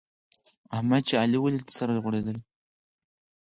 احمد چې علي وليد؛ سره غوړېدل.